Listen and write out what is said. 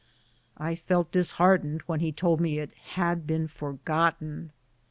I felt disheartened when he told me it had been forgotten.